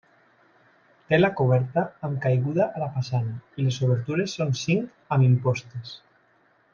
Té la coberta amb caiguda a la façana i les obertures són cinc amb impostes.